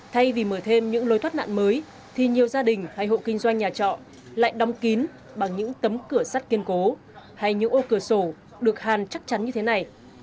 thay vì mở thêm những lối thoát nạn mới thì nhiều gia đình hay hộ kinh doanh nhà trọ lại đóng kín bằng những tấm cửa sắt kiên cố hay những ô cửa sổ được hàn chắc chắn như thế này